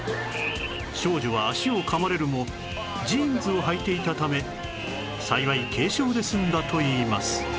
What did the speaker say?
少女は足を噛まれるもジーンズをはいていたため幸い軽傷で済んだといいます